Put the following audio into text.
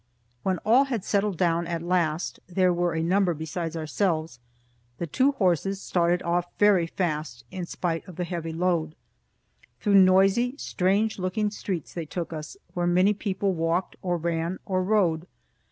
When all had settled down at last (there were a number besides ourselves) the two horses started off very fast, in spite of their heavy load. Through noisy, strange looking streets they took us, where many people walked or ran or rode.